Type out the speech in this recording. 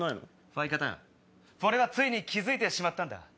ファい方フォれはついに気付いてしまったんだ。